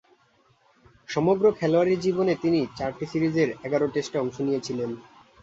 সমগ্র খেলোয়াড়ী জীবনে তিনি চারটি সিরিজের এগারো টেস্টে অংশ নিয়েছিলেন।